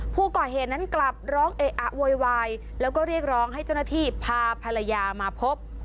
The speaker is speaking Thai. ผู้ก่อเหตุนั้นกลับร้องเอะอะโวยวายแล้วก็เรียกร้องให้เจ้าหน้าที่พาภรรยามาพบ